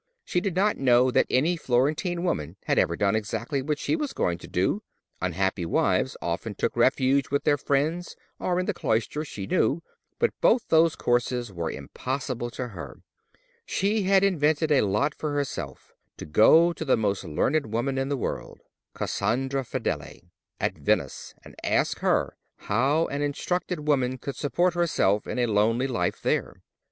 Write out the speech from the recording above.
She did not know that any Florentine woman had ever done exactly what she was going to do: unhappy wives often took refuge with their friends, or in the cloister, she knew, but both those courses were impossible to her; she had invented a lot for herself—to go to the most learned woman in the world, Cassandra Fedele, at Venice, and ask her how an instructed woman could support herself in a lonely life there.